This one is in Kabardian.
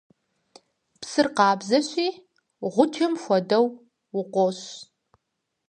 Псыр къабзэщи, гъуджэм хуэдэу, укъощ.